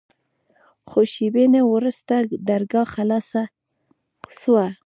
څو شېبې وروسته درګاه خلاصه سوه.